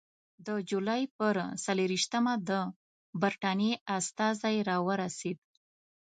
د جولای پر څلېرویشتمه د برټانیې استازی راورسېد.